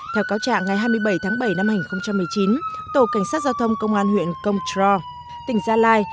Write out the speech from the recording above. theo cáo trạng ngày hai mươi bảy tháng bảy năm hai nghìn một mươi chín tổ cảnh sát giao thông công an huyện công trò tỉnh gia lai